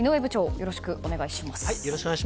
よろしくお願いします。